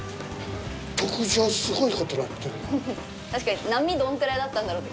確かに並どんくらいだったんだろう？